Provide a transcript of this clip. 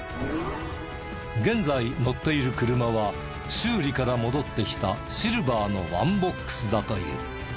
現在乗っている車は修理から戻ってきたシルバーのワンボックスだという。